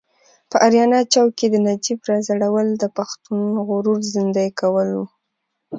په اریانا چوک کې د نجیب راځړول د پښتون غرور زیندۍ کول و.